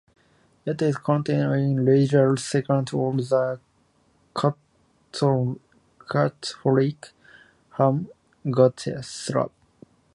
It is contained in regional sections of the Catholic hymnal "Gotteslob".